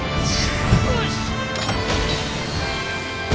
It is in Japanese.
よし！